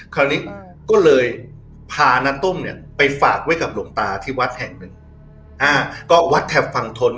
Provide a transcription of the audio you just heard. คราวนี้ก็เลยพาน้าต้มเนี่ยไปฝากไว้กับหลวงตาที่วัดแห่งมึง